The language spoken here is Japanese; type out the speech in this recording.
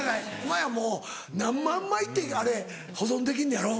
今やもう何万枚ってあれ保存できんのやろ？